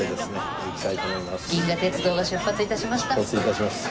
銀河鉄道が出発致しました。